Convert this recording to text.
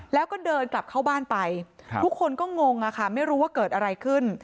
แล้วก็เดินกลับเข้าบ้านไปทุกคนก็งงอะค่ะไม่รู้ว่าเกิดอะไรขึ้น